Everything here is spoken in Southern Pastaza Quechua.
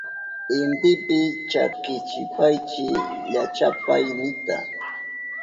Intipi chakichipaychi llachapaynita.